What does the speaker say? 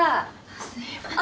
すいません。